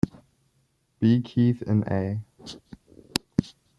B. Keith and A.